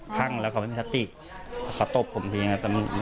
คั่งแล้วเขาไม่มีสติกประตบผมทีนี้